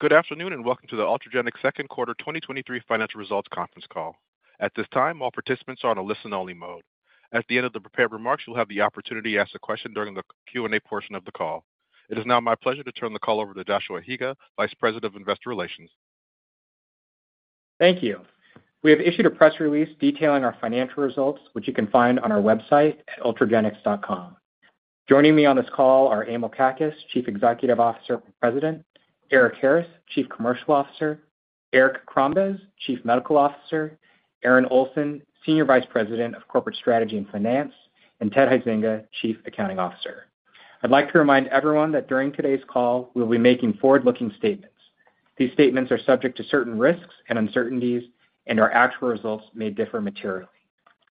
Good afternoon, welcome to the Ultragenyx second quarter 2023 financial results Conference Call. At this time, all participants are on a listen-only mode. At the end of the prepared remarks, you'll have the opportunity to ask a question during the Q&A portion of the call. It is now my pleasure to turn the call over to Josh Higa, Vice President of Investor Relations. Thank you. We have issued a press release detailing our financial results, which you can find on our website at ultragenyx.com. Joining me on this call are Emil Kakkis, Chief Executive Officer and President, Erik Harris, Chief Commercial Officer, Eric Crombez, Chief Medical Officer, Aaron Olson, Senior Vice President of Corporate Strategy and Finance, and Ted Huizinga, Chief Accounting Officer. I'd like to remind everyone that during today's call, we'll be making forward-looking statements. These statements are subject to certain risks and uncertainties, and our actual results may differ materially.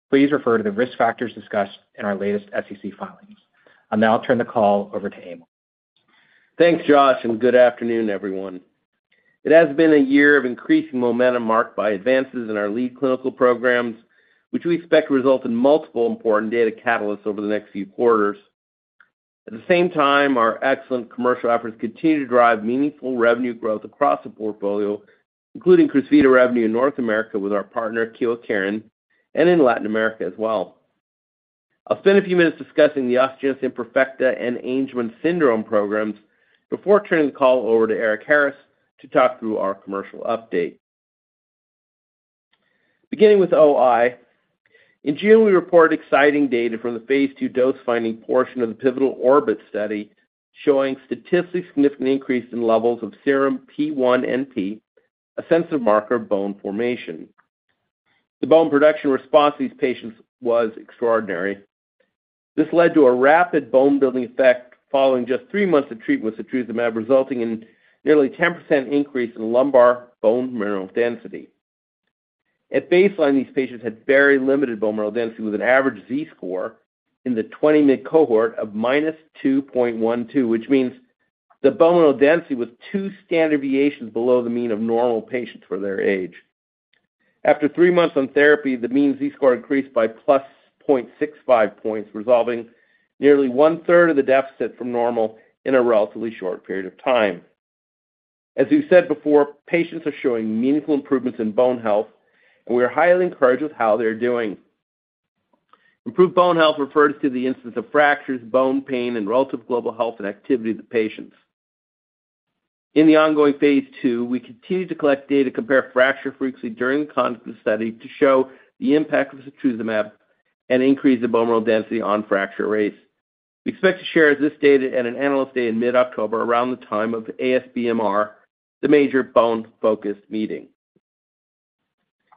Please refer to the risk factors discussed in our latest SEC filings. I'll now turn the call over to Emil. Thanks, Josh, and good afternoon, everyone. It has been a year of increasing momentum marked by advances in our lead clinical programs, which we expect to result in multiple important data catalysts over the next few quarters. At the same time, our excellent commercial efforts continue to drive meaningful revenue growth across the portfolio, including Crysvita revenue in North America with our partner, Kyowa Kirin, and in Latin America as well. I'll spend a few minutes discussing the osteogenesis imperfecta and Angelman syndrome programs before turning the call over to Erik Harris to talk through our commercial update. Beginning with OI, in June, we reported exciting data from the Phase II dose-finding portion of the pivotal ORBIT study, showing statistically significant increase in levels of serum P1NP, a sensitive marker of bone formation. The bone production response to these patients was extraordinary. This led to a rapid bone-building effect following just three months of treatment with setrusumab, resulting in nearly 10% increase in lumbar bone mineral density. At baseline, these patients had very limited bone mineral density, with an average Z-score in the 20 mg cohort of -2.12, which means the bone mineral density was two standard deviations below the mean of normal patients for their age. After three months on therapy, the mean Z-score increased by +0.65 points, resolving nearly one-third of the deficit from normal in a relatively short period of time. As we've said before, patients are showing meaningful improvements in bone health, and we are highly encouraged with how they are doing. Improved bone health refers to the instance of fractures, bone pain, and relative global health and activity of the patients. In the ongoing Phase II, we continue to collect data to compare fracture frequency during the conduct of the study to show the impact of setrusumab and increase the bone mineral density on fracture rates. We expect to share this data at an Analyst Day in mid-October, around the time of ASBMR, the major bone-focused meeting.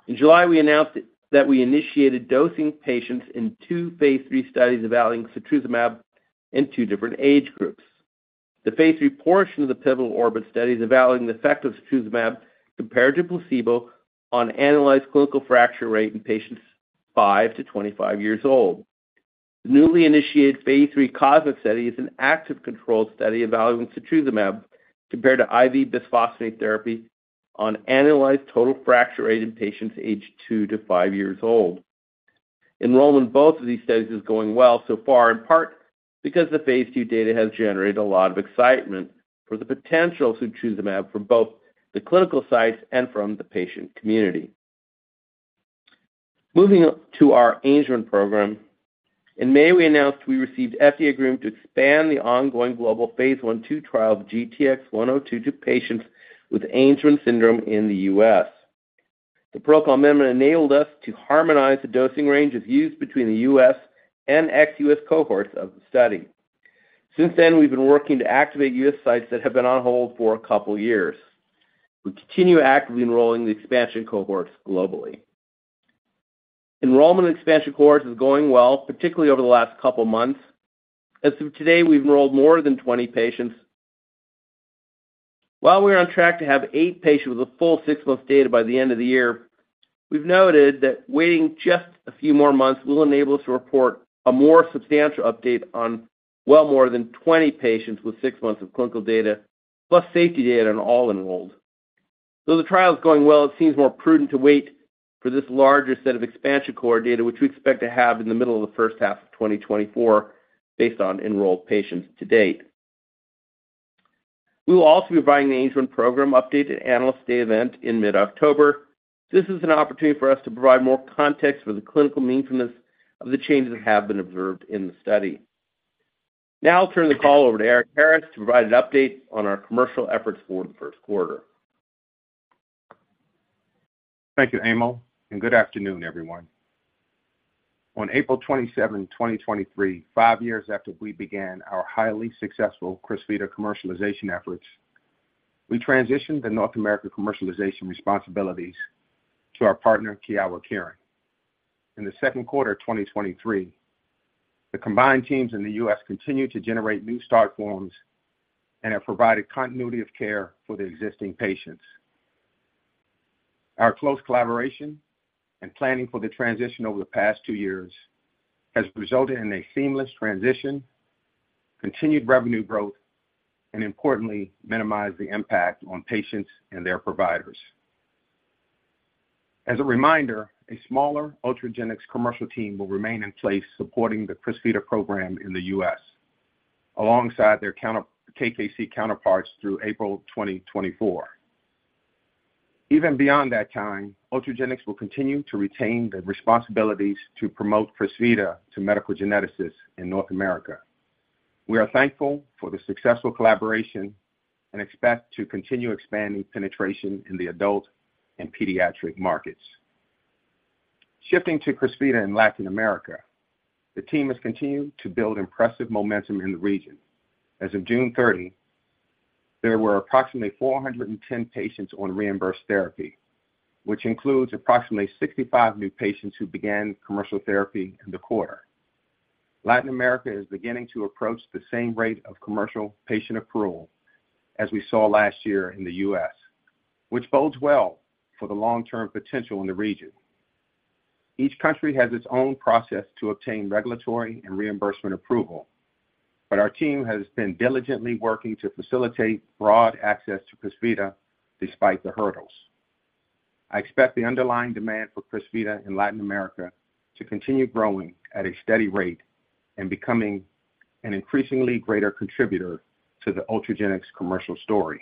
In July, we announced that we initiated dosing patients in two Phase III studies evaluating setrusumab in two different age groups. The Phase III portion of the pivotal ORBIT study is evaluating the effect of setrusumab compared to placebo on analyzed clinical fracture rate in patients five to 25 years old. The newly initiated Phase III COSMIC study is an active controlled study evaluating setrusumab compared to IV bisphosphonate therapy on analyzed total fracture rate in patients aged two to five years old. Enrollment in both of these studies is going well so far, in part because the Phase II data has generated a lot of excitement for the potential setrusumab for both the clinical sites and from the patient community. Moving on to our Angelman program. In May, we announced we received FDA agreement to expand the ongoing global Phase I/two trial of GTX-102 to patients with Angelman syndrome in the U.S. The protocol amendment enabled us to harmonize the dosing range of use between the U.S. and ex U.S. cohorts of the study. Since then, we've been working to activate U.S. sites that have been on hold for a couple of years. We continue actively enrolling the expansion cohorts globally. Enrollment expansion cohorts is going well, particularly over the last couple of months. As of today, we've enrolled more than 20 patients. While we're on track to have eight patients with a full six months data by the end of the year, we've noted that waiting just a few more months will enable us to report a more substantial update on well more than 20 patients with six months of clinical data, plus safety data on all enrolled. Though the trial is going well, it seems more prudent to wait for this larger set of expansion core data, which we expect to have in the middle of the first half of 2024, based on enrolled patients to date. We will also be providing the Angelman program update at Analyst Day event in mid-October. This is an opportunity for us to provide more context for the clinical meaningfulness of the changes that have been observed in the study. Now I'll turn the call over to Erik Harris to provide an update on our commercial efforts for the first quarter. Thank you, Emil, and good afternoon, everyone. On April 27, 2023, five years after we began our highly successful Crysvita commercialization efforts, we transitioned the North American commercialization responsibilities to our partner, Kyowa Kirin. In the second quarter of 2023, the combined teams in the US continued to generate new start forms and have provided continuity of care for the existing patients. As a reminder, a smaller Ultragenyx commercial team will remain in place, supporting the Crysvita program in the US, alongside their counter- KKC counterparts through April 2024. Even beyond that time, Ultragenyx will continue to retain the responsibilities to promote Crysvita to medical geneticists in North America. We are thankful for the successful collaboration and expect to continue expanding penetration in the adult and pediatric markets. Shifting to Crysvita in Latin America, the team has continued to build impressive momentum in the region. As of June 30, there were approximately 410 patients on reimbursed therapy, which includes approximately 65 new patients who began commercial therapy in the quarter. Latin America is beginning to approach the same rate of commercial patient approval as we saw last year in the US, which bodes well for the long-term potential in the region. Each country has its own process to obtain regulatory and reimbursement approval, but our team has been diligently working to facilitate broad access to Crysvita despite the hurdles. I expect the underlying demand for Crysvita in Latin America to continue growing at a steady rate and becoming an increasingly greater contributor to the Ultragenyx commercial story.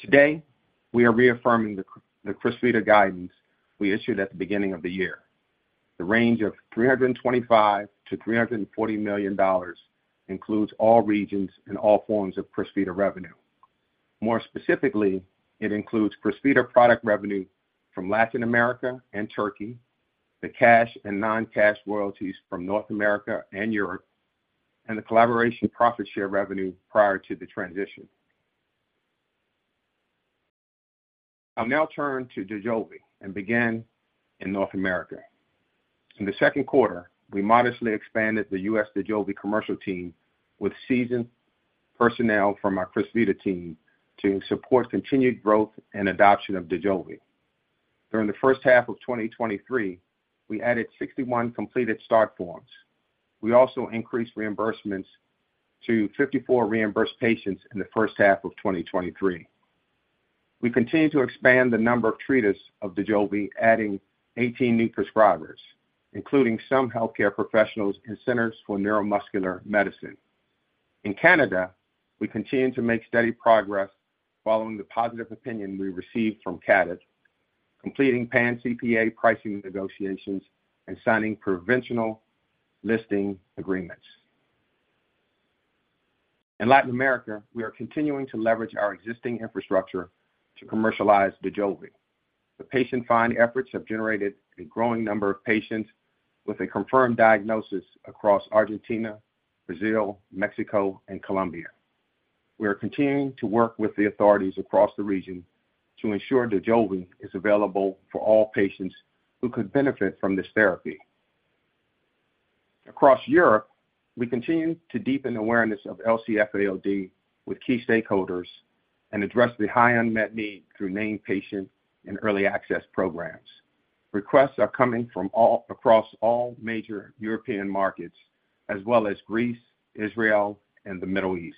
Today, we are reaffirming the Crysvita guidance we issued at the beginning of the year. The range of $325 million-$340 million includes all regions and all forms of Crysvita revenue. More specifically, it includes Crysvita product revenue from Latin America and Turkey, the cash and non-cash royalties from North America and Europe, and the collaboration profit share revenue prior to the transition. I'll now turn to Dojolvi and begin in North America. In the second quarter, we modestly expanded the U.S. Dojolvi commercial team with seasoned personnel from our Crysvita team to support continued growth and adoption of Dojolvi. During the first half of 2023, we added 61 completed start forms. We also increased reimbursements to 54 reimbursed patients in the first half of 2023. We continue to expand the number of treaters of Dojolvi, adding 18 new prescribers, including some healthcare professionals in Centers for Neuromuscular Medicine. In Canada, we continue to make steady progress following the positive opinion we received from CADTH, completing pCPA pricing negotiations and signing provincial listing agreements. In Latin America, we are continuing to leverage our existing infrastructure to commercialize Dojolvi. The patient find efforts have generated a growing number of patients with a confirmed diagnosis across Argentina, Brazil, Mexico, and Colombia. We are continuing to work with the authorities across the region to ensure Dojolvi is available for all patients who could benefit from this therapy. Across Europe, we continue to deepen awareness of LC-FAOD with key stakeholders and address the high unmet need through named patient and early access programs. Requests are coming across all major European markets, as well as Greece, Israel, and the Middle East.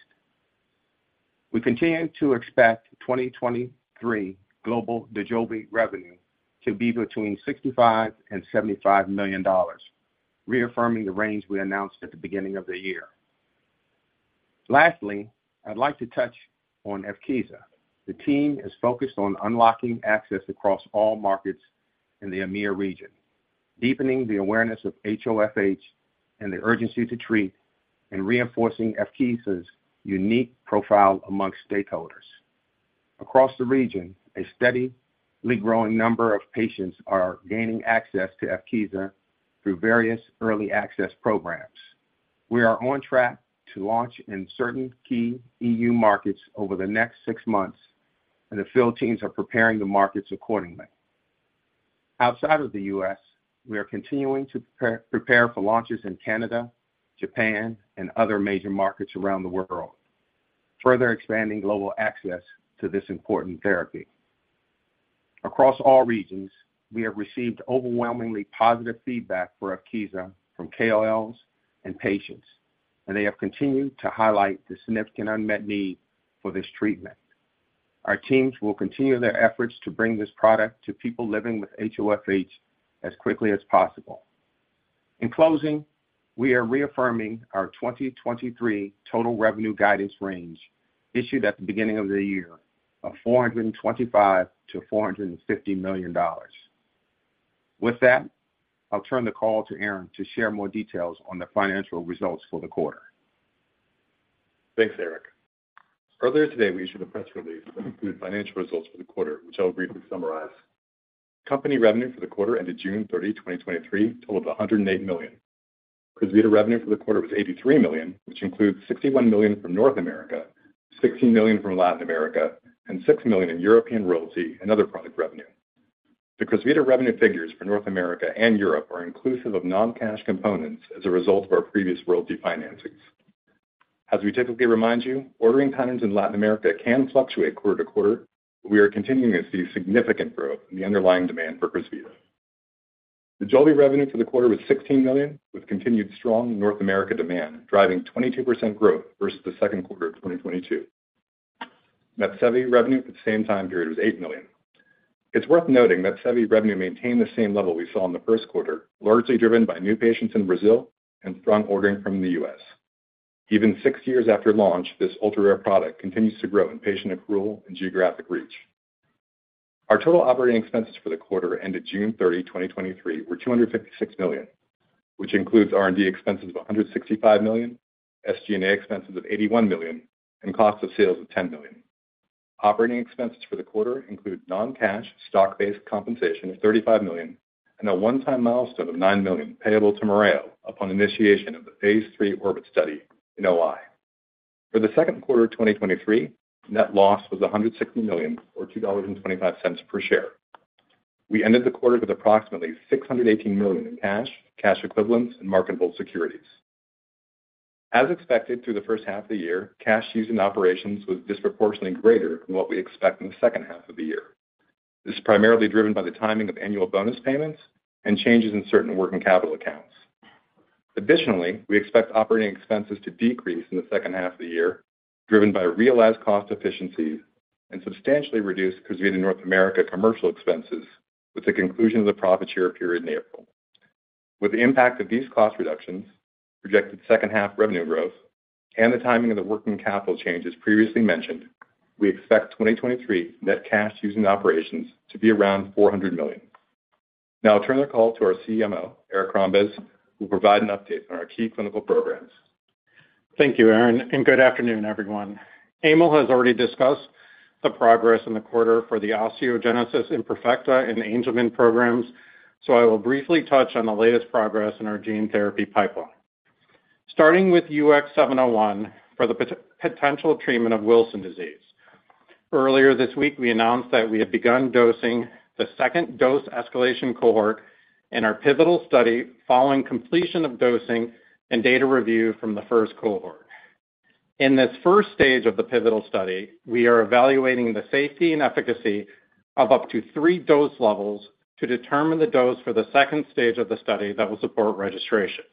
We continue to expect 2023 global Dojolvi revenue to be between $65 million and $75 million, reaffirming the range we announced at the beginning of the year. Lastly, I'd like to touch on Evkeeza. The team is focused on unlocking access across all markets in the EMEA region, deepening the awareness of HoFH and the urgency to treat, and reinforcing Evkeeza's unique profile amongst stakeholders. Across the region, a steadily growing number of patients are gaining access to Evkeeza through various early access programs. We are on track to launch in certain key EU markets over the next six months. The field teams are preparing the markets accordingly. Outside of the U.S., we are continuing to prepare for launches in Canada, Japan, and other major markets around the world, further expanding global access to this important therapy. Across all regions, we have received overwhelmingly positive feedback for Evkeeza from KOLs and patients, and they have continued to highlight the significant unmet need for this treatment. Our teams will continue their efforts to bring this product to people living with HoFH as quickly as possible. In closing, we are reaffirming our 2023 total revenue guidance range, issued at the beginning of the year, of $425 million-$450 million. With that, I'll turn the call to Aaron to share more details on the financial results for the quarter. Thanks, Eric. Earlier today, we issued a press release that included financial results for the quarter, which I'll briefly summarize. Company revenue for the quarter ended June 30, 2023, totaled $108 million. Crysvita revenue for the quarter was $83 million, which includes $61 million from North America, $16 million from Latin America, and $6 million in European royalty and other product revenue. The Crysvita revenue figures for North America and Europe are inclusive of non-cash components as a result of our previous royalty financings. As we typically remind you, ordering patterns in Latin America can fluctuate quarter to quarter, but we are continuing to see significant growth in the underlying demand for Crysvita. Dojolvi revenue for the quarter was $16 million, with continued strong North America demand, driving 22% growth versus the second quarter of 2022. Mepsevii revenue for the same time period was $8 million. It's worth noting Mepsevii revenue maintained the same level we saw in the first quarter, largely driven by new patients in Brazil and strong ordering from the US. Even six years after launch, this ultra-rare product continues to grow in patient accrual and geographic reach. Our total operating expenses for the quarter ended June 30, 2023, were $256 million, which includes R&D expenses of $165 million, SG&A expenses of $81 million, and cost of sales of $10 million. Operating expenses for the quarter include non-cash stock-based compensation of $35 million and a one-time milestone of $9 million payable to Mereo upon initiation of the Phase III ORBIT study in OI. For the second quarter of 2023, net loss was $160 million, or $2.25 per share. We ended the quarter with approximately $618 million in cash, cash equivalents, and marketable securities. As expected, through the first half of the year, cash use in operations was disproportionately greater than what we expect in the second half of the year. This is primarily driven by the timing of annual bonus payments and changes in certain working capital accounts. Additionally, we expect operating expenses to decrease in the second half of the year, driven by realized cost efficiencies and substantially reduced because of the North America commercial expenses, with the conclusion of the profit share period in April. With the impact of these cost reductions, projected second half revenue growth, and the timing of the working capital changes previously mentioned, we expect 2023 net cash using operations to be around $400 million. Now I'll turn the call to our CMO, Eric Crombez, who will provide an update on our key clinical programs. Thank you, Aaron. Good afternoon, everyone. Emil has already discussed the progress in the quarter for the osteogenesis imperfecta and the Angelman programs. I will briefly touch on the latest progress in our gene therapy pipeline. Starting with UX701 for the potential treatment of Wilson disease. Earlier this week, we announced that we had begun dosing the second dose escalation cohort in our pivotal study following completion of dosing and data review from the first cohort. In this first stage of the pivotal study, we are evaluating the safety and efficacy of up to three dose levels to determine the dose for the second stage of the study that will support registration.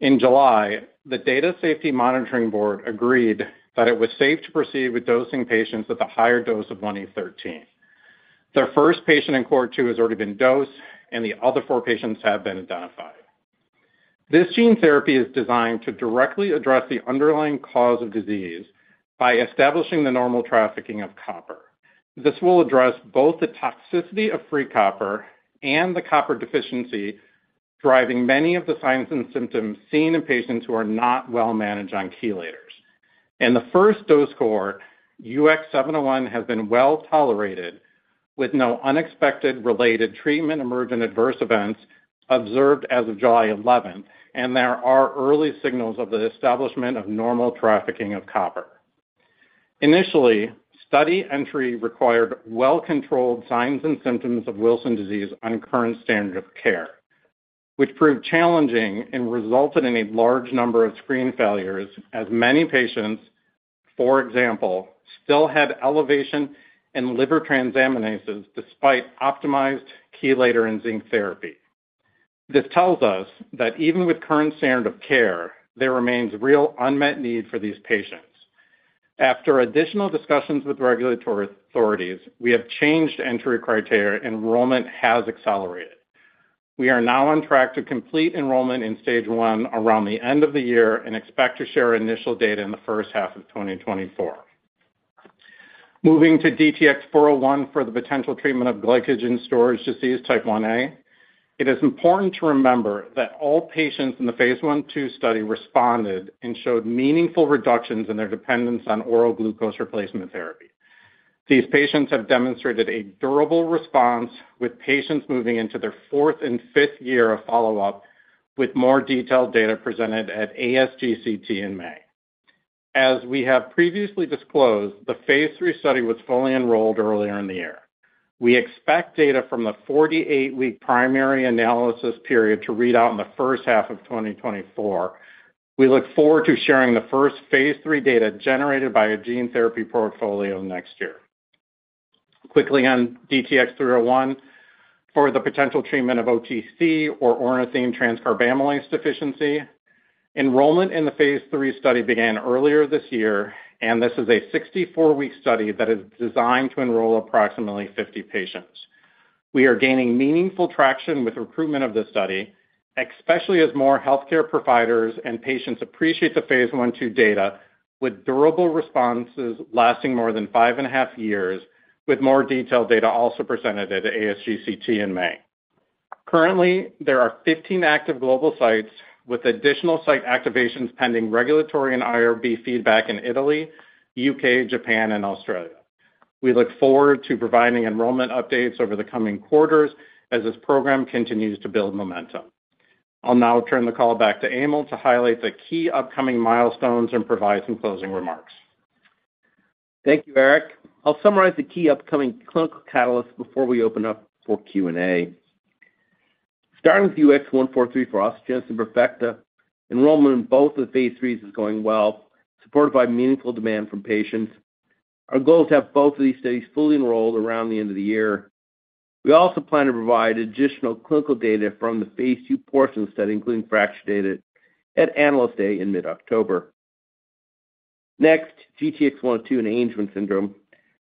In July, the Data Safety Monitoring Board agreed that it was safe to proceed with dosing patients at the higher dose of 1e13. The first patient in cohort 2 has already been dosed, and the other four patients have been identified. This gene therapy is designed to directly address the underlying cause of disease by establishing the normal trafficking of copper. This will address both the toxicity of free copper and the copper deficiency, driving many of the signs and symptoms seen in patients who are not well managed on chelators. In the first dose cohort, UX701 has been well tolerated, with no unexpected related treatment-emergent adverse events observed as of July 11th, and there are early signals of the establishment of normal trafficking of copper. Initially, study entry required well-controlled signs and symptoms of Wilson disease on current standard of care, which proved challenging and resulted in a large number of screen failures, as many patients, for example, still had elevation in liver transaminases despite optimized chelator and zinc therapy. This tells us that even with current standard of care, there remains real unmet need for these patients. After additional discussions with regulatory authorities, we have changed entry criteria, and enrollment has accelerated. We are now on track to complete enrollment in stage one around the end of the year and expect to share initial data in the first half of 2024. Moving to DTX-401 for the potential treatment of glycogen storage disease type Ia. It is important to remember that all patients in the Phase I/2 study responded and showed meaningful reductions in their dependence on oral glucose replacement therapy. These patients have demonstrated a durable response, with patients moving into their fourth and fifth year of follow-up, with more detailed data presented at ASGCT in May. As we have previously disclosed, the Phase III study was fully enrolled earlier in the year. We expect data from the 48-week primary analysis period to read out in the first half of 2024. We look forward to sharing the first Phase III data generated by a gene therapy portfolio next year. Quickly on DTX-301, for the potential treatment of OTC or ornithine transcarbamylase deficiency. Enrollment in the Phase III study began earlier this year. This is a 64-week study that is designed to enroll approximately 50 patients. We are gaining meaningful traction with recruitment of this study, especially as more healthcare providers and patients appreciate the Phase I/2 data, with durable responses lasting more than five and a half years, with more detailed data also presented at ASGCT in May. Currently, there are 15 active global sites, with additional site activations pending regulatory and IRB feedback in Italy, UK, Japan, and Australia. We look forward to providing enrollment updates over the coming quarters as this program continues to build momentum. I'll now turn the call back to Emil Kakkis to highlight the key upcoming milestones and provide some closing remarks. Thank you, Eric. I'll summarize the key upcoming clinical catalysts before we open up for Q&A. Starting with UX143 for osteogenesis imperfecta, enrollment in both the Phase IIIs is going well, supported by meaningful demand from patients. Our goal is to have both of these studies fully enrolled around the end of the year. We also plan to provide additional clinical data from the Phase II portion of the study, including fracture data, at Analyst Day in mid-October. GTX-102 and Angelman syndrome.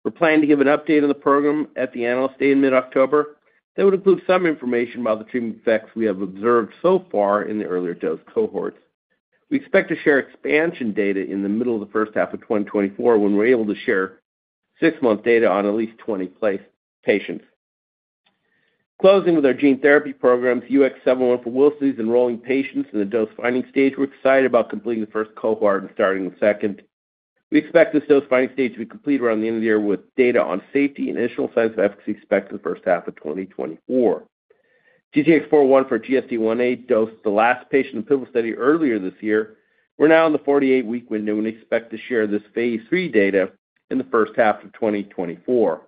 We're planning to give an update on the program at the Analyst Day in mid-October. That would include some information about the treatment effects we have observed so far in the earlier dose cohorts. We expect to share expansion data in the middle of the first half of 2024, when we're able to share 6-month data on at least 20 placed patients. Closing with our gene therapy programs, UX-701 for Wilson disease, enrolling patients in the dose-finding stage. We're excited about completing the first cohort and starting the second. We expect this dose-finding stage to be completed around the end of the year, with data on safety and initial signs of efficacy expected in the first half of 2024. DTX-401 for GSD1A dosed the last patient in the pivotal study earlier this year. We're now in the 48-week window and expect to share this Phase III data in the first half of 2024.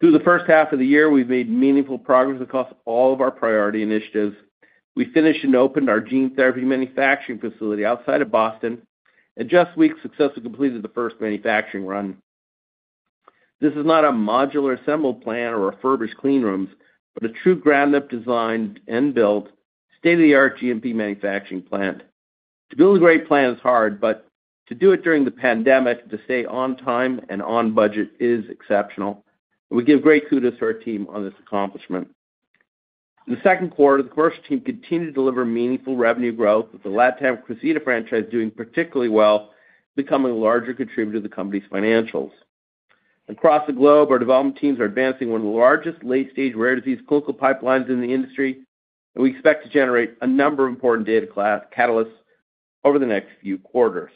Through the first half of the year, we've made meaningful progress across all of our priority initiatives. We finished and opened our gene therapy manufacturing facility outside of Boston, and just weeks successfully completed the first manufacturing run. This is not a modular assembled plant or refurbished clean rooms, but a true ground-up designed and built, state-of-the-art GMP manufacturing plant. To build a great plant is hard, to do it during the pandemic, to stay on time and on budget is exceptional. We give great kudos to our team on this accomplishment. In the second quarter, the commercial team continued to deliver meaningful revenue growth, with the Latam Crysvita franchise doing particularly well, becoming a larger contributor to the company's financials. Across the globe, our development teams are advancing one of the largest late-stage, rare disease clinical pipelines in the industry, we expect to generate a number of important data class catalysts over the next few quarters.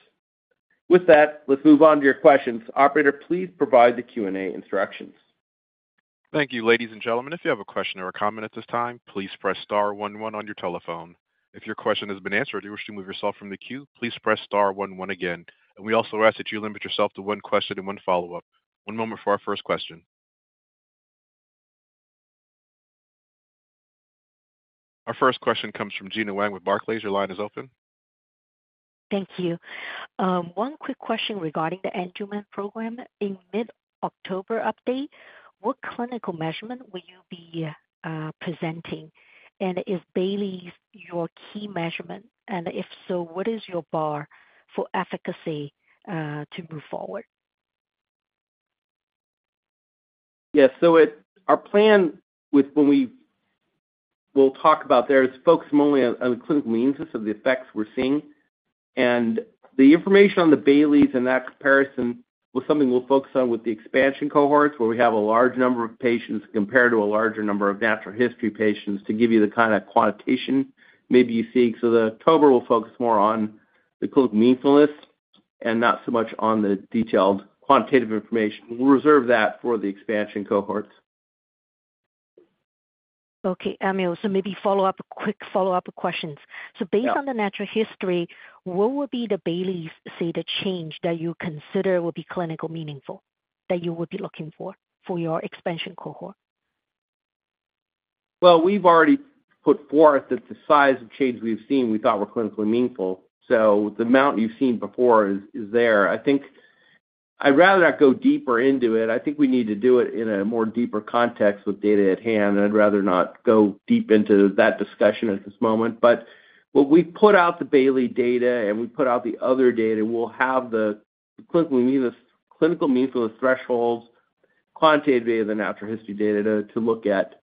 With that, let's move on to your questions. Operator, please provide the Q&A instructions. Thank you. Ladies and gentlemen, if you have a question or a comment at this time, please press star 11 on your telephone. If your question has been answered, or you wish to remove yourself from the queue, please press star 11 again. We also ask that you limit yourself to one question and one follow-up. One moment for our first question. Our first question comes from Gena Wang with Barclays. Your line is open. Thank you. One quick question regarding the Angelman program. In mid-October update, what clinical measurement will you be presenting? Is Bayley's your key measurement? If so, what is your bar for efficacy to move forward? Yes. Our plan with when we will talk about there is focusing only on, on the clinical means of the effects we're seeing. The information on the Bayleys and that comparison was something we'll focus on with the expansion cohorts, where we have a large number of patients compared to a larger number of natural history patients, to give you the kind of quantitation maybe you seek. The October will focus more on the clinical meaningfulness and not so much on the detailed quantitative information. We'll reserve that for the expansion cohorts. Okay, Emil. Maybe follow-up, quick follow-up questions. Yeah. Based on the natural history, what would be the Bayley's, say, the change that you consider will be clinical meaningful, that you would be looking for, for your expansion cohort? Well, we've already put forth that the size of change we've seen, we thought were clinically meaningful. The amount you've seen before is, is there. I think I'd rather not go deeper into it. I think we need to do it in a more deeper context with data at hand, and I'd rather not go deep into that discussion at this moment. When we put out the Bayley data and we put out the other data, we'll have the clinical means, clinical meaningfulness thresholds, quantitative data, the natural history data to, to look at.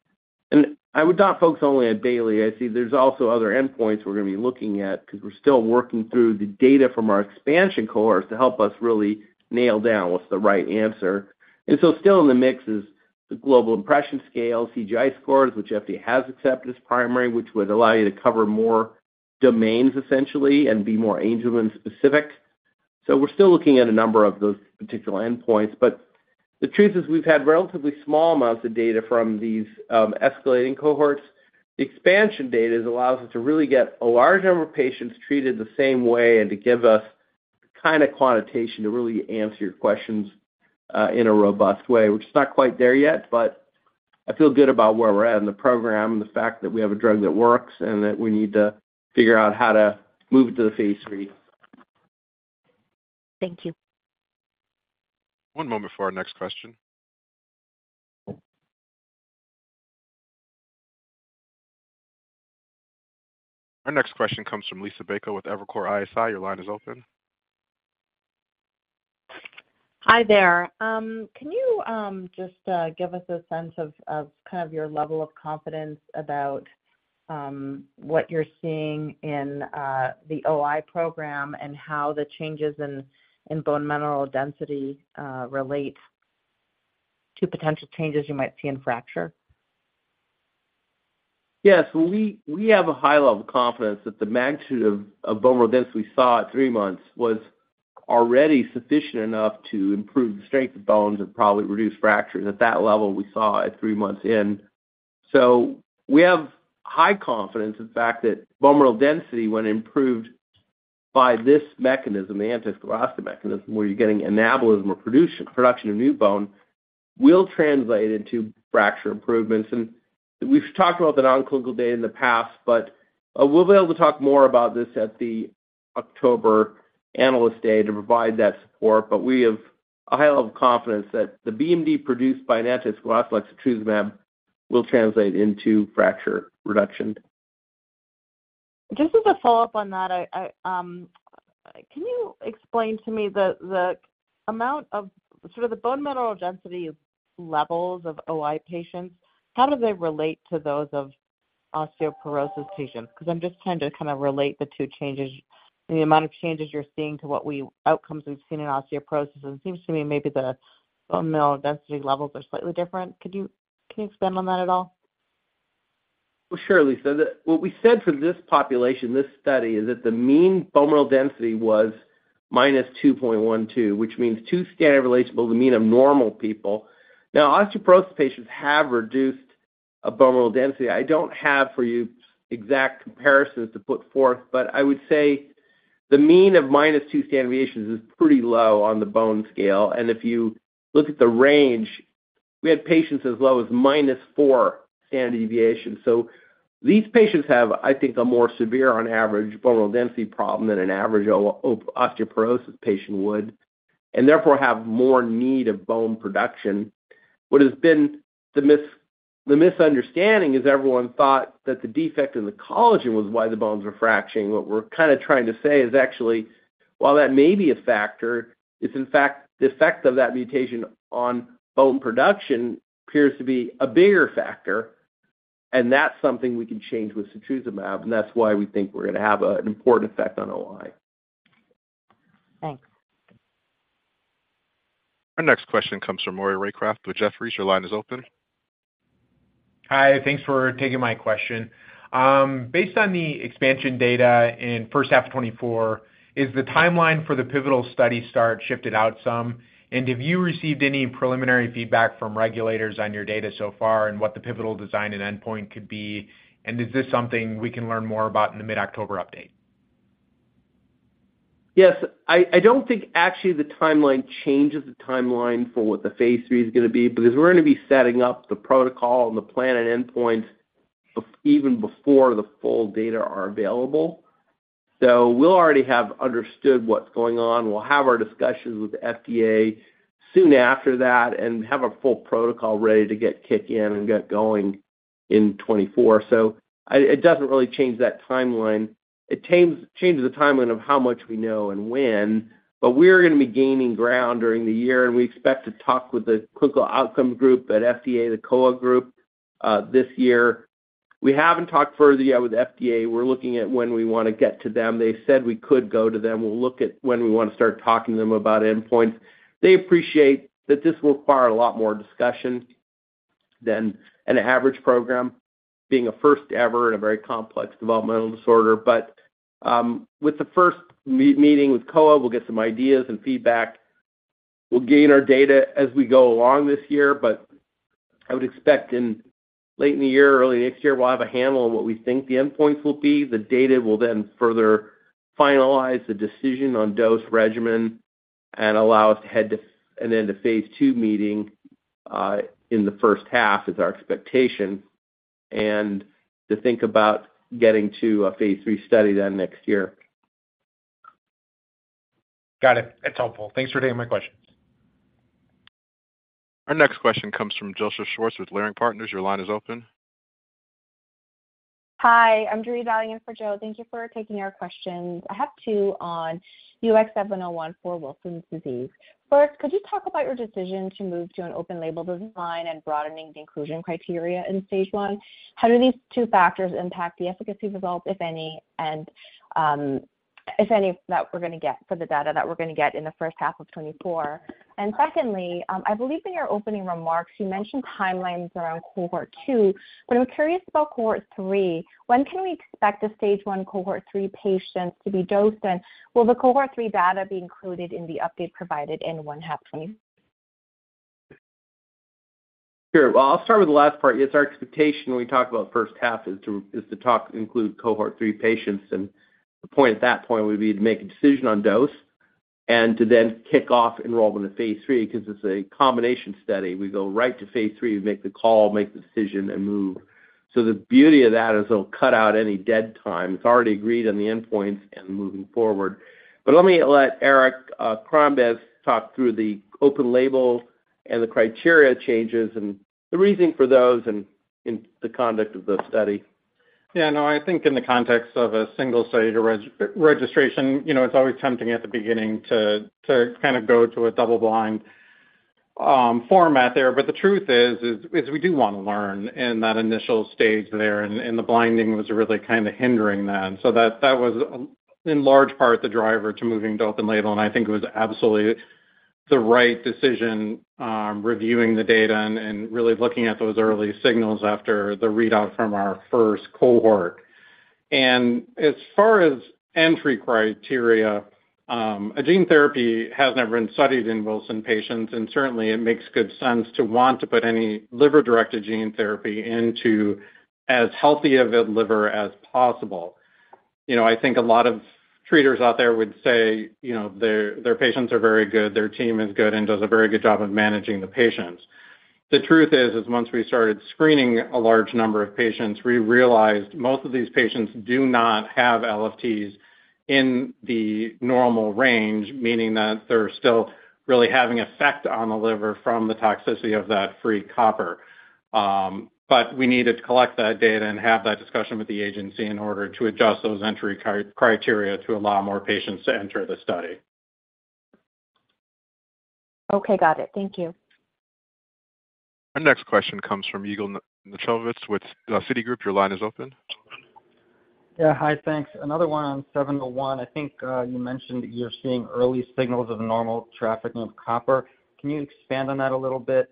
I would not focus only on Bayley. I see there's also other endpoints we're going to be looking at, because we're still working through the data from our expansion cohorts to help us really nail down what's the right answer. Still in the mix is the Global Impression Scale, CGI scores, which FDA has accepted as primary, which would allow you to cover more domains, essentially, and be more Angelman-specific. We're still looking at a number of those particular endpoints, but the truth is, we've had relatively small amounts of data from these escalating cohorts. The expansion data allows us to really get a large number of patients treated the same way and to give us kind of quantitation to really answer your questions in a robust way, which is not quite there yet. I feel good about where we're at in the program and the fact that we have a drug that works, and that we need to figure out how to move it to the Phase III. Thank you. One moment for our next question. Our next question comes from Lisa Bei with Evercore ISI. Your line is open. Hi there. Can you just give us a sense of, of kind of your level of confidence about, what you're seeing in the OI program and how the changes in, in bone mineral density relate to potential changes you might see in fracture? Yes. Well, we, we have a high level of confidence that the magnitude of, of bone mineral density we saw at 3 months was already sufficient enough to improve the strength of bones and probably reduce fractures at that level we saw at 3 months in. We have high confidence in the fact that bone mineral density, when improved by this mechanism, the anti-sclerostin mechanism, where you're getting anabolism or production of new bone will translate into fracture improvements. We've talked about the non-clinical data in the past, but we'll be able to talk more about this at the October Analyst Day to provide that support. We have a high level of confidence that the BMD produced by an anti-sclerostin like setrusumab will translate into fracture reduction. Just as a follow-up on that, I, I, can you explain to me the, the amount of sort of the bone mineral density levels of OI patients? How do they relate to those of osteoporosis patients? Because I'm just trying to kind of relate the two changes, the amount of changes you're seeing to what we outcomes we've seen in osteoporosis, and it seems to me maybe the bone mineral density levels are slightly different. Could you can you expand on that at all? Well, sure, Lisa. What we said for this population, this study, is that the mean bone mineral density was -2.12, which means 2 standard relatable to the mean of normal people. Now, osteoporosis patients have reduced bone mineral density. I don't have for you exact comparisons to put forth, but I would say the mean of -2 standard deviations is pretty low on the bone scale. If you look at the range, we had patients as low as -4 standard deviations. These patients have, I think, a more severe, on average, bone mineral density problem than an average osteoporosis patient would, and therefore have more need of bone production. What has been the misunderstanding is everyone thought that the defect in the collagen was why the bones were fracturing. What we're kind of trying to say is actually, while that may be a factor, it's in fact, the effect of that mutation on bone production appears to be a bigger factor, and that's something we can change with setrusumab, and that's why we think we're gonna have an important effect on OI. Thanks. Our next question comes from Maury Raycroft with Jefferies. Your line is open. Hi, thanks for taking my question. Based on the expansion data in first half 2024, is the timeline for the pivotal study start shifted out some? Have you received any preliminary feedback from regulators on your data so far and what the pivotal design and endpoint could be? Is this something we can learn more about in the mid-October update? Yes, I, I don't think actually the timeline changes the timeline for what the Phase III is gonna be, because we're gonna be setting up the protocol and the plan and endpoint even before the full data are available. We'll already have understood what's going on. We'll have our discussions with the FDA soon after that and have a full protocol ready to get kick in and get going in 2024. It doesn't really change that timeline. It changes the timeline of how much we know and when, but we're gonna be gaining ground during the year, and we expect to talk with the critical outcome group at FDA, the COA group, this year. We haven't talked further yet with FDA. We're looking at when we wanna get to them. They said we could go to them. We'll look at when we wanna start talking to them about endpoints. They appreciate that this will require a lot more discussion than an average program, being a first-ever and a very complex developmental disorder. With the first meeting with COA, we'll get some ideas and feedback. We'll gain our data as we go along this year, but I would expect in late in the year, early next year, we'll have a handle on what we think the endpoints will be. The data will then further finalize the decision on dose regimen and allow us to head to and then the Phase II meeting in the first half, is our expectation, and to think about getting to a Phase III study then next year. Got it. That's helpful. Thanks for taking my questions. Our next question comes from Joseph Schwartz with Leerink Partners. Your line is open. Hi, I'm Joori dialing in for Joe. Thank you for taking our questions. I have two on UX701 for Wilson disease. First, could you talk about your decision to move to an open label design and broadening the inclusion criteria in phase I? How do these two factors impact the efficacy results, if any, and if any, that we're gonna get for the data that we're gonna get in the first half of 2024? Secondly, I believe in your opening remarks, you mentioned timelines around cohort two, but I'm curious about cohort three. When can we expect the stage 1 cohort three patients to be dosed, and will the cohort three data be included in the update provided in first half 2020? Sure. Well, I'll start with the last part. It's our expectation when we talk about first half is to, is to talk include cohort three patients, and the point at that point would be to make a decision on dose and to then kick off enrollment to Phase III. Because it's a combination study, we go right to Phase III, we make the call, make the decision, and move. The beauty of that is it'll cut out any dead time. It's already agreed on the endpoints and moving forward. Let me let Eric Crombez talk through the open label and the criteria changes and the reasoning for those and in the conduct of the study. Yeah, no, I think in the context of a single study registration, you know, it's always tempting at the beginning to, to kind of go to a double blind format there. The truth is, we do want to learn in that initial stage there, and the blinding was really kind of hindering that. That was in large part the driver to moving to open label, and I think it was absolutely the right decision, reviewing the data and really looking at those early signals after the readout from our first cohort. As far as entry criteria, a gene therapy has never been studied in Wilson patients, and certainly, it makes good sense to want to put any liver-directed gene therapy into as healthy of a liver as possible.... You know, I think a lot of treaters out there would say, you know, their, their patients are very good, their team is good and does a very good job of managing the patients. The truth is, is once we started screening a large number of patients, we realized most of these patients do not have LFTs in the normal range, meaning that they're still really having effect on the liver from the toxicity of that free copper. We needed to collect that data and have that discussion with the agency in order to adjust those entry criteria to allow more patients to enter the study. Okay, got it. Thank you. Our next question comes from Yigal Nochomovitz with Citigroup. Your line is open. Yeah. Hi, thanks. Another one on UX701. I think, you mentioned that you're seeing early signals of normal trafficking of copper. Can you expand on that a little bit?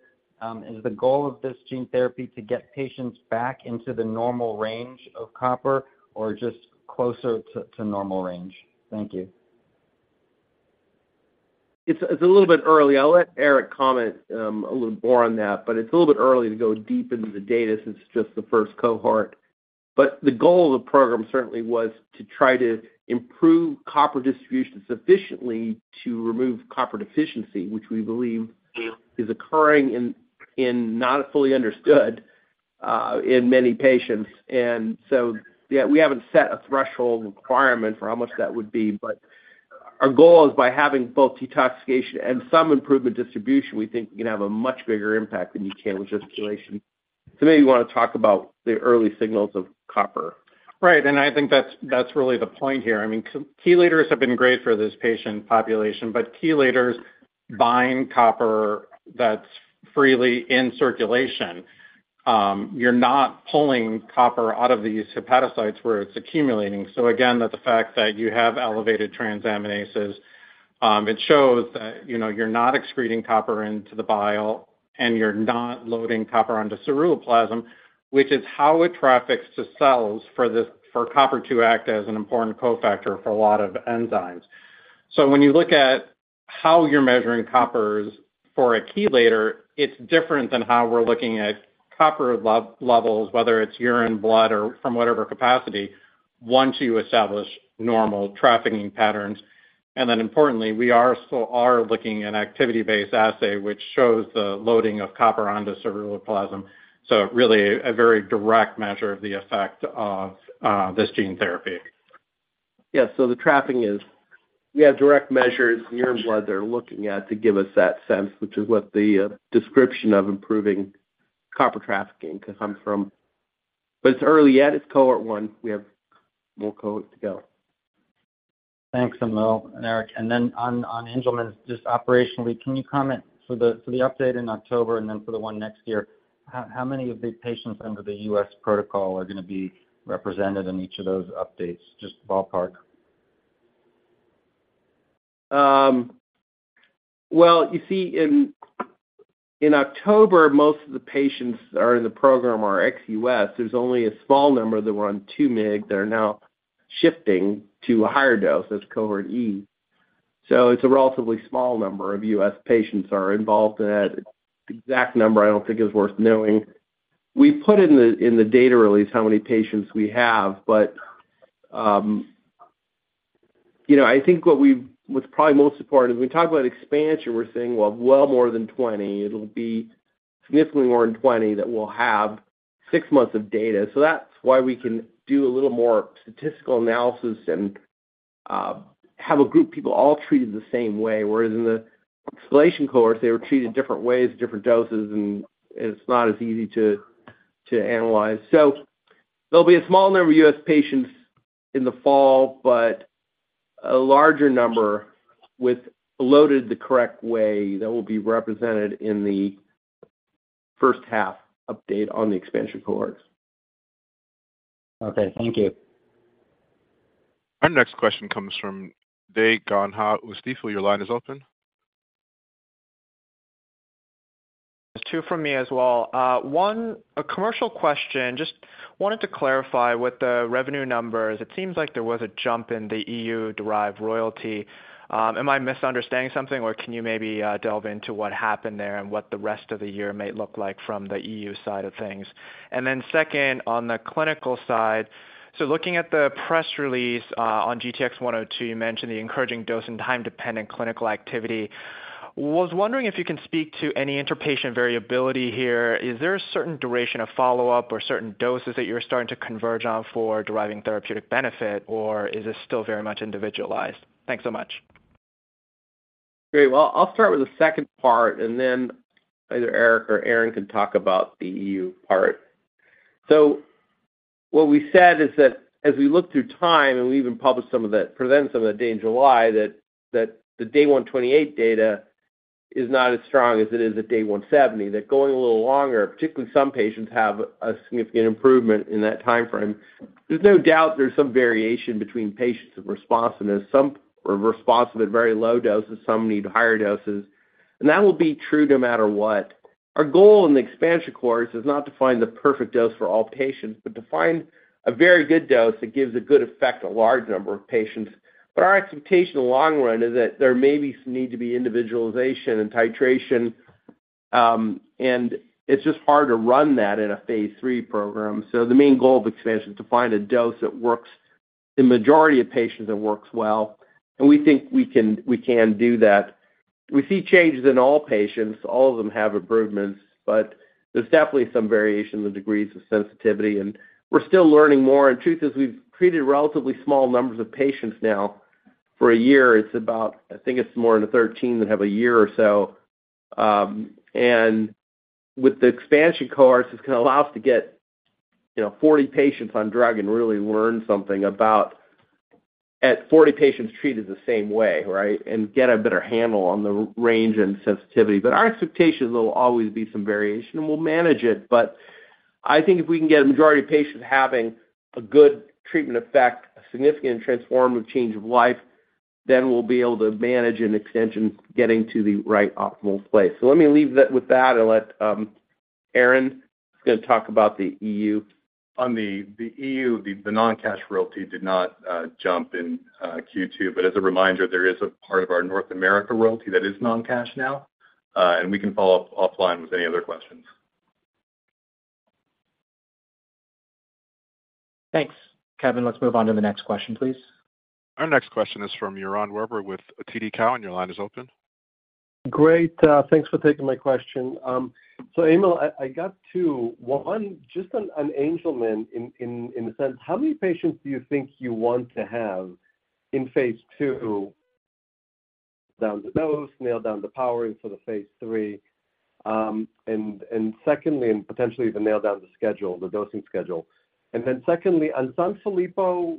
Is the goal of this gene therapy to get patients back into the normal range of copper or just closer to normal range? Thank you. It's, it's a little bit early. I'll let Eric comment a little more on that, but it's a little bit early to go deep into the data since it's just the first cohort. The goal of the program certainly was to try to improve copper distribution sufficiently to remove copper deficiency, which we believe is occurring and not fully understood in many patients. Yeah, we haven't set a threshold requirement for how much that would be, but our goal is by having both detoxification and some improvement distribution, we think you can have a much bigger impact than you can with just chelation. Maybe you wanna talk about the early signals of copper. Right, I think that's, that's really the point here. I mean, chelators have been great for this patient population, but chelators buying copper that's freely in circulation, you're not pulling copper out of these hepatocytes where it's accumulating. Again, that the fact that you have elevated transaminases, it shows that, you know, you're not excreting copper into the bile, and you're not loading copper onto ceruloplasmin, which is how it traffics to cells for copper to act as an important cofactor for a lot of enzymes. When you look at how you're measuring coppers for a chelator, it's different than how we're looking at copper levels, whether it's urine, blood, or from whatever capacity, once you establish normal trafficking patterns. Then importantly, we are still are looking at activity-based assay, which shows the loading of copper onto ceruloplasmin. Really, a very direct measure of the effect of, this gene therapy. The trafficking is... We have direct measures, urine, blood they're looking at to give us that sense, which is what the description of improving copper trafficking comes from. It's early yet. It's cohort one. We have more cohort to go. Thanks, Emil and Eric. Then on Angelman, just operationally, can you comment for the update in October and then for the one next year, how many of the patients under the U.S. protocol are gonna be represented in each of those updates? Just ballpark. Well, you see, in, in October, most of the patients are in the program are ex-US. There's only a small number that were on 2 mg that are now shifting to a higher dose, that's Cohort E. It's a relatively small number of US patients are involved in that. Exact number, I don't think is worth knowing. We put it in the, in the data release, how many patients we have. You know, I think what's probably most important is, when we talk about expansion, we're saying, well, well more than 20. It'll be significantly more than 20 that we'll have 6 months of data. That's why we can do a little more statistical analysis and have a group of people all treated the same way, whereas in the exploration cohorts, they were treated different ways, different doses, and it's not as easy to analyze. There'll be a small number of US patients in the fall, but a larger number with loaded the correct way that will be represented in the first half update on the expansion cohorts. Okay, thank you. Our next question comes from David Lebowitz, Stifel. Your line is open. There's two from me as well. One, a commercial question. Just wanted to clarify with the revenue numbers, it seems like there was a jump in the EU-derived royalty. Am I misunderstanding something, or can you maybe delve into what happened there and what the rest of the year may look like from the EU side of things? Second, on the clinical side, looking at the press release, on GTX-102, you mentioned the encouraging dose and time-dependent clinical activity. Was wondering if you can speak to any interpatient variability here. Is there a certain duration of follow-up or certain doses that you're starting to converge on for deriving therapeutic benefit, or is this still very much individualized? Thanks so much. Well, I'll start with the second part, then either Eric or Aaron can talk about the EU part. What we said is that as we look through time, we even published some of that, presented some of that data in July, that the day 128 data is not as strong as it is at day 170. Going a little longer, particularly some patients have a significant improvement in that time frame. There's no doubt there's some variation between patients and responsiveness. Some are responsive at very low doses, some need higher doses, that will be true no matter what. Our goal in the expansion course is not to find the perfect dose for all patients, to find a very good dose that gives a good effect, a large number of patients. Our expectation in the long run is that there may be some need to be individualization and titration. It's just hard to run that in a Phase III program. The main goal of expansion is to find a dose that works, the majority of patients that works well, and we think we can, we can do that. We see changes in all patients. All of them have improvements, but there's definitely some variation in the degrees of sensitivity, and we're still learning more. Truth is, we've treated relatively small numbers of patients now. For a year, it's about, I think it's more than 13 that have a year or so. With the expansion cohorts, it's gonna allow us to get, you know, 40 patients on drug and really learn something about, at 40 patients treated the same way, right? Get a better handle on the range and sensitivity. Our expectation, there will always be some variation, and we'll manage it. I think if we can get a majority of patients having a good treatment effect, a significant transformative change of life, then we'll be able to manage an extension, getting to the right optimal place. Let me leave that with that and let Aaron, is gonna talk about the EU. On the EU, the non-cash royalty did not jump in Q2. As a reminder, there is a part of our North America royalty that is non-cash now, and we can follow up offline with any other questions. Thanks, Kevin. Let's move on to the next question, please. Our next question is from Yaron Werber with TD Cowen. Your line is open. Great, thanks for taking my question. Emil, I, I got two. One, just on, on Angelman, in, in, in a sense, how many patients do you think you want to have in Phase II, down the dose, nail down the powering for the Phase III, and secondly, and potentially even nail down the schedule, the dosing schedule? Secondly, on Sanfilippo,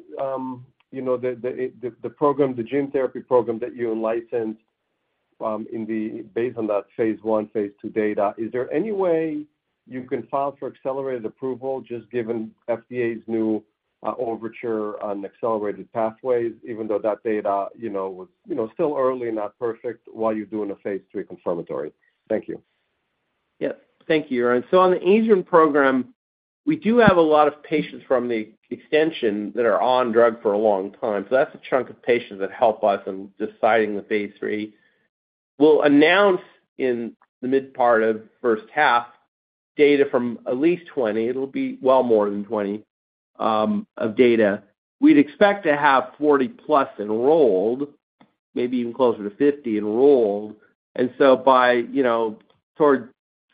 you know, the, the, the program, the gene therapy program that you licensed, based on that Phase I, Phase II data, is there any way you can file for accelerated approval, just given FDA's new overture on accelerated pathways, even though that data, you know, was, you know, still early, not perfect, while you're doing a Phase III confirmatory? Thank you. Yep. Thank you, Yaron. On the Angelman program, we do have a lot of patients from the extension that are on drug for a long time. That's a chunk of patients that help us in deciding the Phase III. We'll announce in the mid part of first half, data from at least 20. It'll be well more than 20 of data. We'd expect to have 40-plus enrolled, maybe even closer to 50 enrolled. By, you know, towards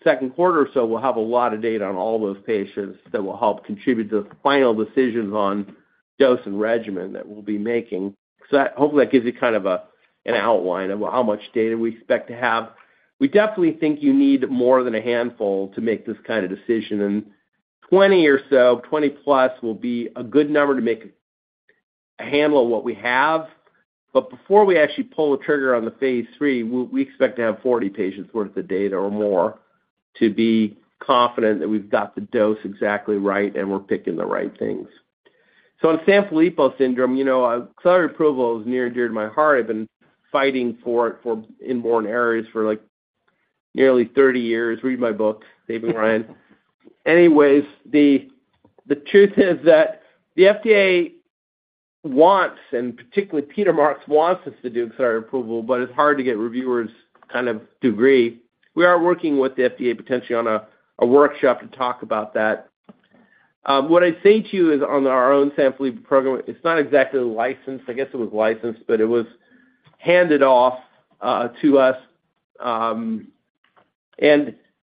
second quarter or so, we'll have a lot of data on all those patients that will help contribute to the final decisions on dose and regimen that we'll be making. That, hopefully, that gives you kind of an outline of how much data we expect to have. We definitely think you need more than a handful to make this kind of decision, and 20 or so, 20-plus will be a good number to make a handle on what we have. Before we actually pull the trigger on the Phase III, we expect to have 40 patients worth of data or more to be confident that we've got the dose exactly right and we're picking the right things. On Sanfilippo syndrome, you know, accelerated approval is near and dear to my heart. I've been fighting for it for inborn errors for, like, nearly 30 years. Read my book, Dave and Ryan. Anyways, the truth is that the FDA wants, and particularly Peter Marks, wants us to do accelerated approval, but it's hard to get reviewers kind of to agree. We are working with the FDA, potentially on a workshop to talk about that. What I'd say to you is on our own Sanfilippo program, it's not exactly licensed. I guess it was licensed, but it was handed off to us.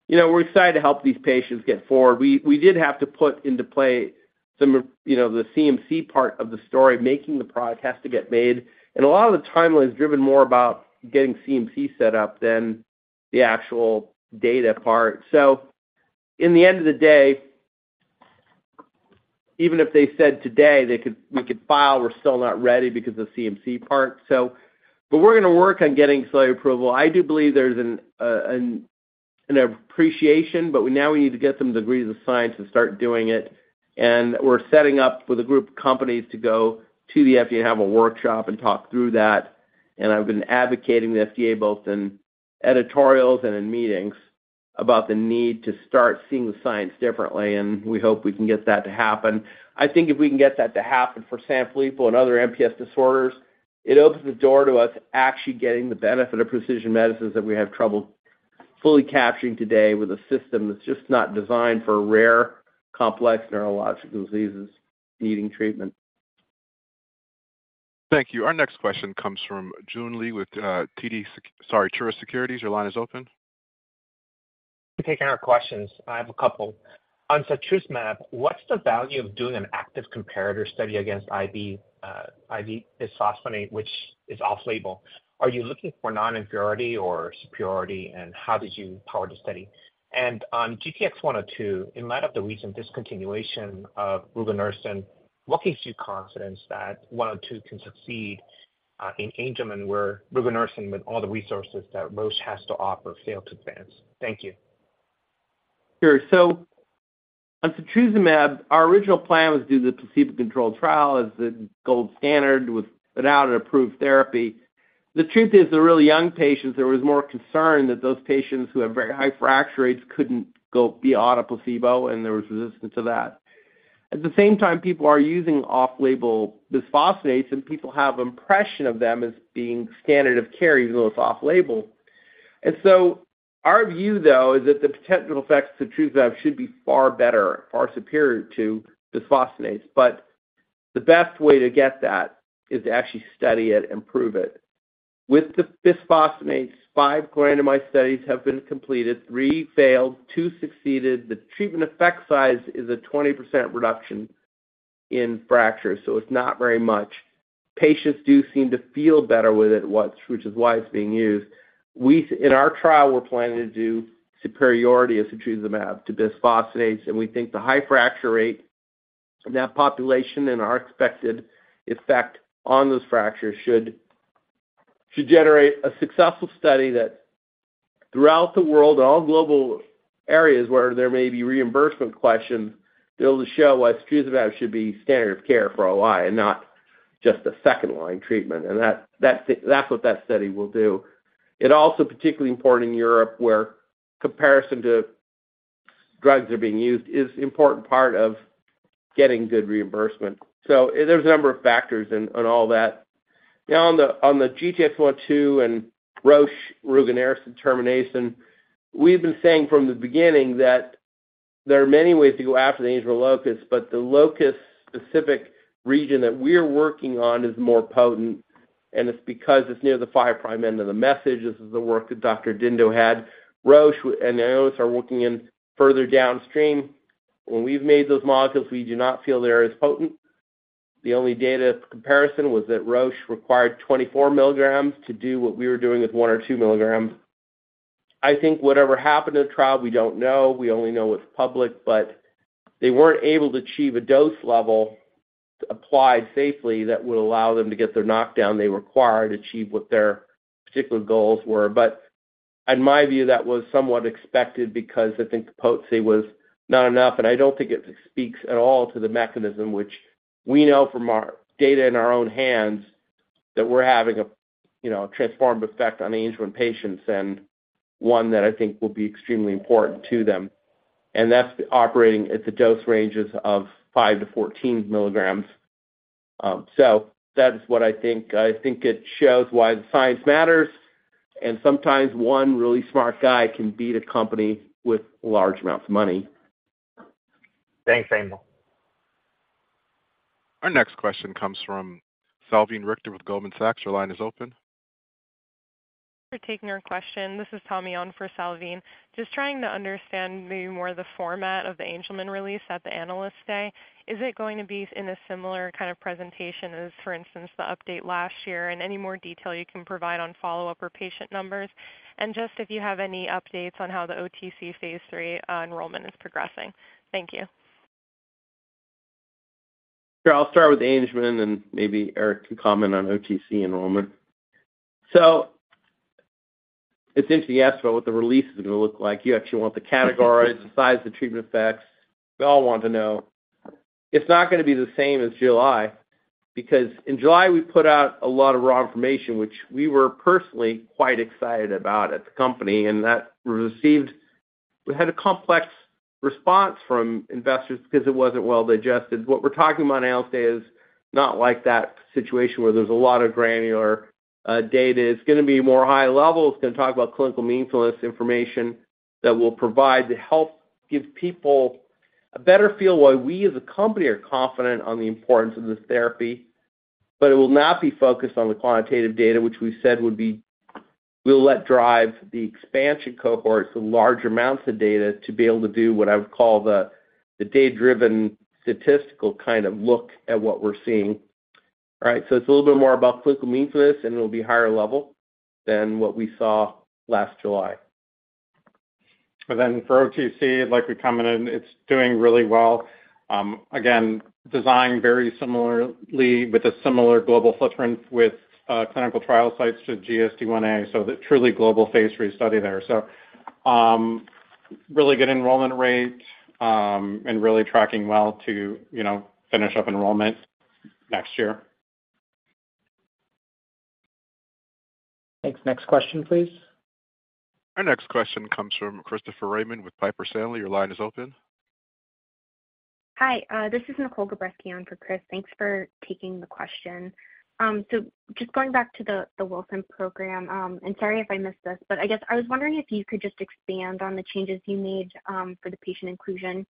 You know, we're excited to help these patients get forward. We, we did have to put into play some of, you know, the CMC part of the story, making the product has to get made, and a lot of the timeline is driven more about getting CMC set up than the actual data part. In the end of the day, even if they said today, they could-- we could file, we're still not ready because of the CMC part, so. We're gonna work on getting accelerated approval. I do believe there's an appreciation, but we now need to get some degrees of science and start doing it. We're setting up with a group of companies to go to the FDA, have a workshop, and talk through that. I've been advocating the FDA, both in editorials and in meetings, about the need to start seeing the science differently, and we hope we can get that to happen. I think if we can get that to happen for Sanfilippo and other MPS disorders, it opens the door to us actually getting the benefit of precision medicines that we have trouble fully capturing today with a system that's just not designed for rare, complex neurological diseases needing treatment. Thank you. Our next question comes from Jun Lee with Truist Securities. Your line is open. Thank you for taking our questions. I have a couple. On setrusumab, what's the value of doing an active comparator study against IV, IV bisphosphonate, which is off-label? Are you looking for non-inferiority or superiority, and how did you power the study? On GTX-102, in light of the recent discontinuation of rugonersen, what gives you confidence that one or two can succeed in Angelman, where rugonersen, with all the resources that Roche has to offer, failed to advance? Thank you. Sure. on setrusumab, our original plan was to do the placebo-controlled trial as the gold standard without an approved therapy. The truth is, the really young patients, there was more concern that those patients who have very high fracture rates couldn't be on a placebo, and there was resistance to that. At the same time, people are using off-label bisphosphonates, and people have impression of them as being standard of care, even though it's off-label. our view, though, is that the potential effects of setrusumab should be far better, far superior to bisphosphonates. The best way to get that is to actually study it and prove it. With the bisphosphonates, 5 randomized studies have been completed. 3 failed, 2 succeeded. The treatment effect size is a 20% reduction in fractures, so it's not very much. Patients do seem to feel better with it, once, which is why it's being used. In our trial, we're planning to do superiority of setrusumab to bisphosphonates, and we think the high fracture rate in that population and our expected effect on those fractures should generate a successful study that throughout the world, in all global areas where there may be reimbursement questions, be able to show why setrusumab should be standard of care for OI and not just a second-line treatment. That, that's, that's what that study will do. It's also particularly important in Europe, where comparison to drugs that are being used is important part of getting good reimbursement. There's a number of factors in, on all that. Now, on the, on the GSD1a and Roche rugonersen termination, we've been saying from the beginning that there are many ways to go after the Angelman locus, but the locus-specific region that we're working on is more potent, and it's because it's near the 5′ end of the message. This is the work that Dr. Dindot had. Roche and the others are working in further downstream. When we've made those molecules, we do not feel they're as potent. The only data comparison was that Roche required 24 milligrams to do what we were doing with 1 or 2 milligrams. I think whatever happened to the trial, we don't know. We only know what's public, but they weren't able to achieve a dose level applied safely that would allow them to get their knockdown they required to achieve what their particular goals were. In my view, that was somewhat expected because I think the potency was not enough, and I don't think it speaks at all to the mechanism, which we know from our data in our own hands, that we're having a, you know, transformed effect on the Angelman patients, and one that I think will be extremely important to them. That's operating at the dose ranges of 5-14 milligrams. That is what I think. I think it shows why the science matters, sometimes one really smart guy can beat a company with large amounts of money. Thanks, Emil. Our next question comes from Salveen Richter with Goldman Sachs. Your line is open. For taking our question. This is Tommy on for Salveen. Just trying to understand maybe more of the format of the Angelman release at the Analyst Day. Is it going to be in a similar kind of presentation as, for instance, the update last year? Any more detail you can provide on follow-up or patient numbers. Just if you have any updates on how the OTC Phase III enrollment is progressing. Thank you. Sure. I'll start with the Angelman. Maybe Eric can comment on OTC enrollment. It's interesting you ask about what the release is gonna look like. You actually want the categories, the size, the treatment effects. We all want to know. It's not gonna be the same as July, because in July, we put out a lot of raw information, which we were personally quite excited about at the company, and that received... We had a complex response from investors because it wasn't well digested. What we're talking about on Analyst Day is not like that situation where there's a lot of granular data. It's gonna be more high level. It's gonna talk about clinical meaningfulness, information that will provide to help give people a better feel why we, as a company, are confident on the importance of this therapy. It will not be focused on the quantitative data, which we said we'll let drive the expansion cohorts to large amounts of data to be able to do what I would call the data-driven, statistical kind of look at what we're seeing. It's a little bit more about clinical meaningfulness, and it'll be higher level than what we saw last July. Then for OTC, I'd like to comment in, it's doing really well. Again, designed very similarly with a similar global footprint with clinical trial sites to GSD1A, so the truly global phase III study there. Really good enrollment rate, and really tracking well to, you know, finish up enrollment next year. Thanks. Next question, please. Our next question comes from Christopher Raymond with Piper Sandler. Your line is open. Hi, this is Nicole Gabreski on for Chris. Thanks for taking the question. Just going back to the Wilson program, and sorry if I missed this, but I guess I was wondering if you could just expand on the changes you made for the patient inclusion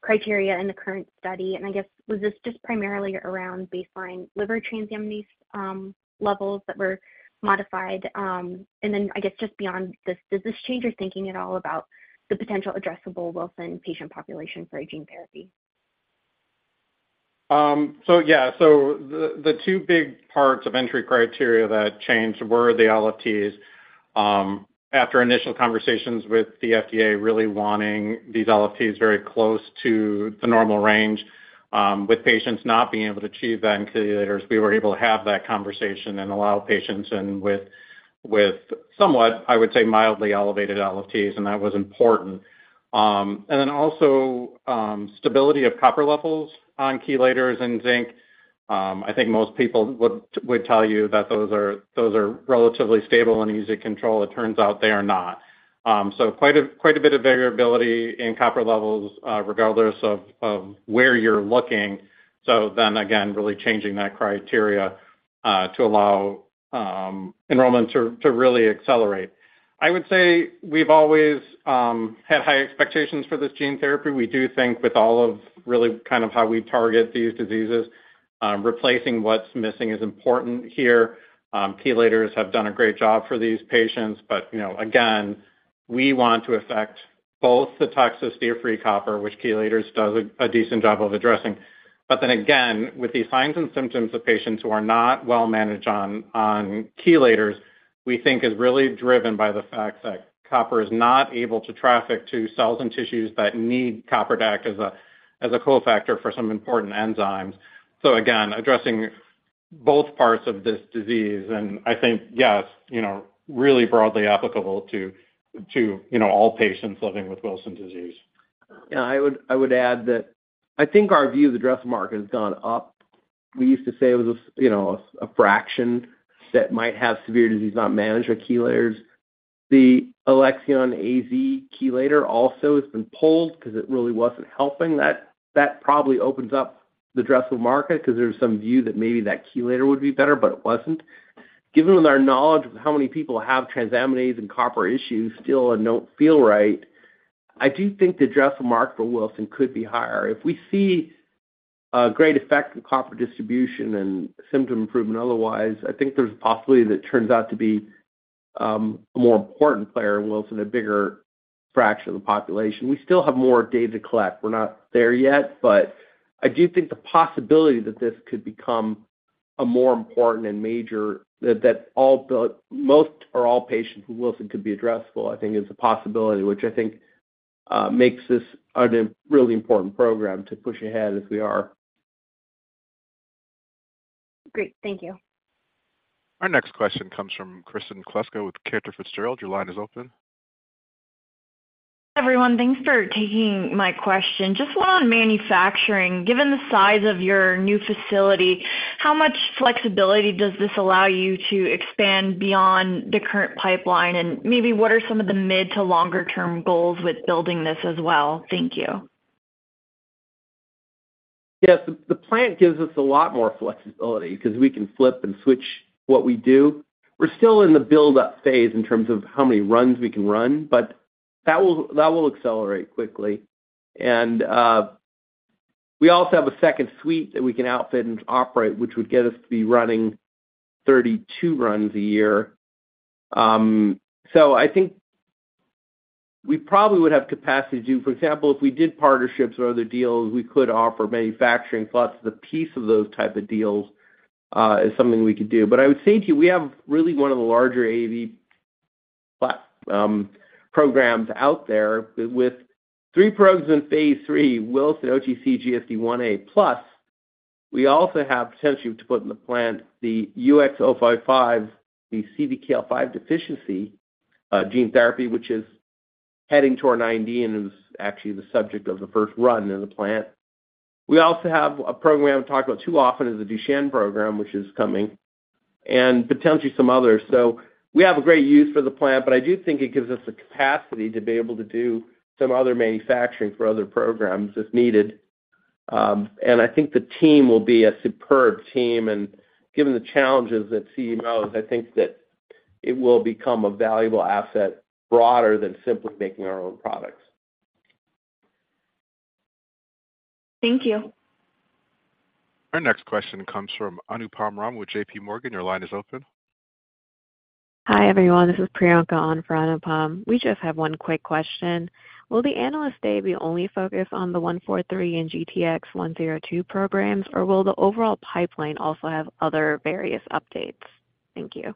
criteria in the current study. I guess, was this just primarily around baseline liver transaminase levels that were modified? Then I guess just beyond this, does this change your thinking at all about the potential addressable Wilson patient population for a gene therapy? Yeah. The 2 big parts of entry criteria that changed were the LFTs. After initial conversations with the FDA, really wanting these LFTs very close to the normal range, with patients not being able to achieve that in chelators, we were able to have that conversation and allow patients with, with somewhat, I would say, mildly elevated LFTs, and that was important. Also, stability of copper levels on chelators and zinc. I think most people would, would tell you that those are, those are relatively stable and easy to control. It turns out they are not. Quite a, quite a bit of variability in copper levels, regardless of, of where you're looking. Again, really changing that criteria to allow enrollments to, to really accelerate. I would say we've always had high expectations for this gene therapy. We do think with all of really kind of how we target these diseases, replacing what's missing is important here. Chelators have done a great job for these patients, you know, again, we want to affect both the toxicity of free copper, which chelators does a decent job of addressing. Again, with the signs and symptoms of patients who are not well managed on chelators, we think is really driven by the fact that copper is not able to traffic to cells and tissues that need copper DAC as a co-factor for some important enzymes. Again, addressing both parts of this disease, and I think, yes, you know, really broadly applicable to, you know, all patients living with Wilson disease. Yeah, I would, I would add that I think our view of the addressable market has gone up. We used to say it was a, you know, a fraction that might have severe disease, not managed by chelators. The Alexion/AstraZeneca chelator also has been pulled because it really wasn't helping. That probably opens up the addressable market because there's some view that maybe that chelator would be better, but it wasn't. Given our knowledge of how many people have transaminase and copper issues still and don't feel right, I do think the addressable market for Wilson could be higher. If we see a great effect in copper distribution and symptom improvement otherwise, I think there's a possibility that it turns out to be a more important player in Wilson, a bigger fraction of the population. We still have more data to collect. We're not there yet, I do think the possibility that this could become a more important and major that most or all patients with Wilson could be addressable, I think is a possibility, which I think, makes this a, really important program to push ahead as we are. Great. Thank you. Our next question comes from Kristen Stewart with Keefe, Bruyette & Woods. Your line is open. Everyone, thanks for taking my question. Just one on manufacturing. Given the size of your new facility, how much flexibility does this allow you to expand beyond the current pipeline? Maybe what are some of the mid to longer term goals with building this as well? Thank you. Yes, the plant gives us a lot more flexibility because we can flip and switch what we do. We're still in the build-up phase in terms of how many runs we can run, but that will, that will accelerate quickly. We also have a second suite that we can outfit and operate, which would get us to be running 32 runs a year. So I think we probably would have capacity to, for example, if we did partnerships or other deals, we could offer manufacturing plus the piece of those type of deals, is something we could do. I would say to you, we have really one of the larger AAV programs out there with three programs in phase III, Wilson, OTC, GSD1A. We also have potentially to put in the plant the UX055, the CDKL5 deficiency gene therapy, which is heading toward an IND and is actually the subject of the first run in the plant. We also have a program, I talk about too often, is the Duchenne program, which is coming, and potentially some others. We have a great use for the plant, but I do think it gives us the capacity to be able to do some other manufacturing for other programs as needed. I think the team will be a superb team, and given the challenges at CMOs, I think that it will become a valuable asset broader than simply making our own products. Thank you. Our next question comes from Anupam Rama with JPMorgan. Your line is open. Hi, everyone. This is Priyanka on for Anupam. We just have 1 quick question. Will the Analyst Day be only focused on the 143 and GTX-102 programs, or will the overall pipeline also have other various updates? Thank you.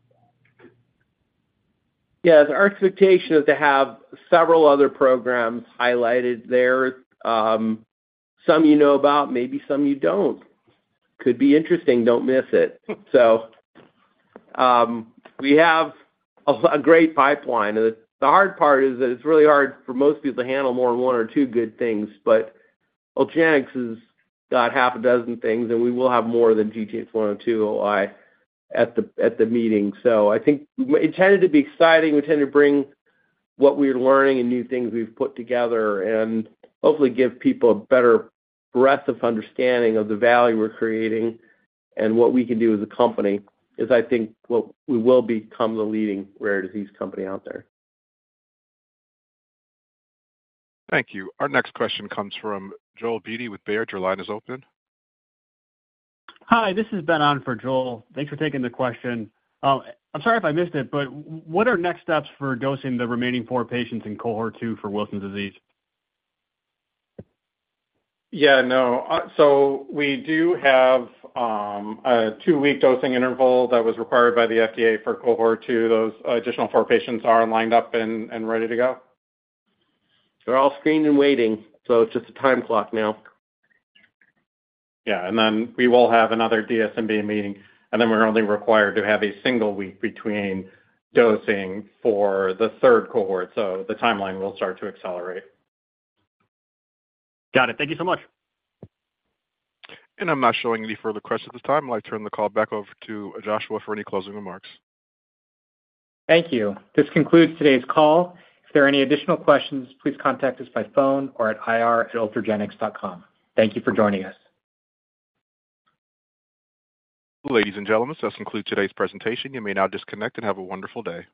Yeah. The expectation is to have several other programs highlighted there. Some you know about, maybe some you don't. Could be interesting. Don't miss it. We have a great pipeline, and the hard part is that it's really hard for most people to handle more than one or two good things, but Ultragenyx has got half a dozen things, and we will have more than GTX-102 at the meeting. I think it tended to be exciting. We tend to bring what we're learning and new things we've put together and hopefully give people a better breadth of understanding of the value we're creating and what we can do as a company, as I think we will become the leading rare disease company out there. Thank you. Our next question comes from Joel Beatty with Baird. Your line is open. Hi, this is Ben on for Joel. Thanks for taking the question. I'm sorry if I missed it, but what are next steps for dosing the remaining 4 patients in cohort 2 for Wilson disease? Yeah, no. We do have a 2-week dosing interval that was required by the FDA for cohort 2. Those additional 4 patients are lined up and ready to go. They're all screened and waiting, so it's just a time clock now. Yeah, and then we will have another DSMB meeting, and then we're only required to have a single week between dosing for the third cohort, so the timeline will start to accelerate. Got it. Thank you so much. I'm not showing any further questions at this time. I'd like to turn the call back over to Josh for any closing remarks. Thank you. This concludes today's call. If there are any additional questions, please contact us by phone or at ir@ultragenyx.com. Thank you for joining us. Ladies and gentlemen, this concludes today's presentation. You may now disconnect and have a wonderful day.